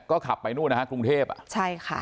ก็ขับไปนู่นนะฮะกรุงเทพอ่ะใช่ค่ะ